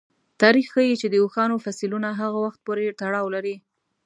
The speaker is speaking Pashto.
تاریخ ښيي چې د اوښانو فسیلونه هغه وخت پورې تړاو لري.